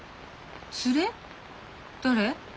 誰？